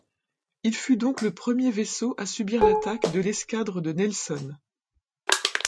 Il fut donc le premier vaisseau à subir l'attaque de l'escadre de Nelson.